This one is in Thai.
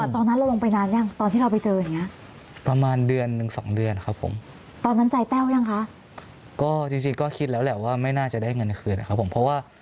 ตอนนั้นเราลงไปนานหรือยังตอนที่เราไปเจออย่างนี้